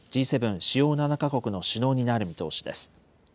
・主要７か国の首脳になる見通しです。